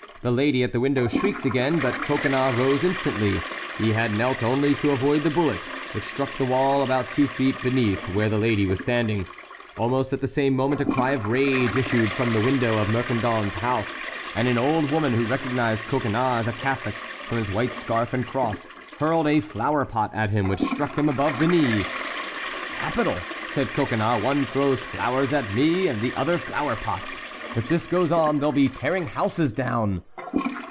The lady at the window shrieked again; but Coconnas rose instantly; he had knelt only to avoid the bullet, which struck the wall about two feet beneath where the lady was standing. Almost at the same moment a cry of rage issued from the window of Mercandon's house, and an old woman, who recognized Coconnas as a Catholic, from his white scarf and cross, hurled a flower pot at him, which struck him above the knee. "Capital!" said Coconnas; "one throws flowers at me and at the other, flower pots; if this goes on, they'll be tearing houses down!"